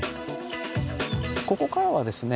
ここからはですね